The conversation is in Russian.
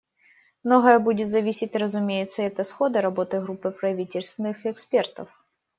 Многое будет зависеть, разумеется, и от исхода работы группы правительственных экспертов.